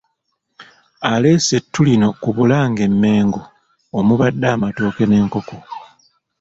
Aleese ettu lino ku Bulange e Mengo omubadde amatooke n'enkoko.